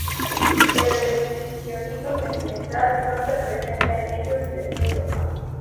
Pero el exhibicionismo sentimental no se presenta en ellos desnudo.